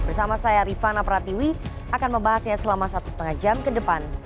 bersama saya rifana pratiwi akan membahasnya selama satu lima jam ke depan